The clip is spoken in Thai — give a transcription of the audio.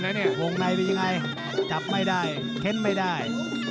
วงในวงในว่ายังไงจับไม่ได้เช่นไม่ได้